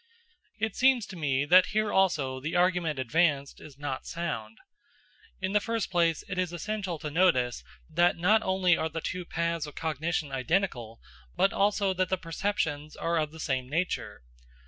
It seems to me that here also the argument advanced is not sound. In the first place, it is essential to notice that not only are the two paths of cognition identical, but also that the perceptions are of the same nature.